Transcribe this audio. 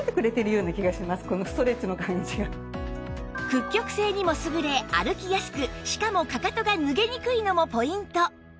屈曲性にも優れ歩きやすくしかもかかとが脱げにくいのもポイント